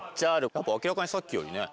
やっぱ明らかにさっきよりね。